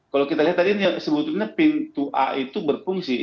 kalau kita lihat tadi sebetulnya pintu a itu berfungsi